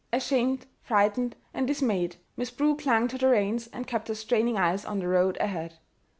Ashamed, frightened, and dismayed, Miss Prue clung to the reins and kept her straining eyes on the road ahead.